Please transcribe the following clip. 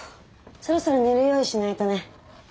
そろそろ寝る用意しないとね。